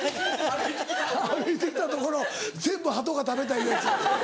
歩いてきたところ全部ハトが食べたいうやつ。